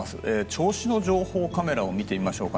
銚子の情報カメラを見ていきましょう。